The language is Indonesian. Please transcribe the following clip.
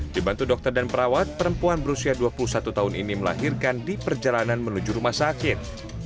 dibantu dokter dan perawat perempuan berusia dua puluh satu tahun ini melahirkan di perjalanan menuju rumah sakit